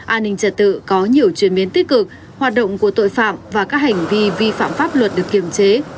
an ninh trật tự có nhiều chuyển biến tích cực hoạt động của tội phạm và các hành vi vi phạm pháp luật được kiềm chế